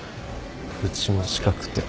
うちも近くて。